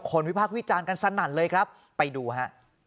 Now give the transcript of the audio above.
วิพากษ์วิจารณ์กันสนั่นเลยครับไปดูฮะ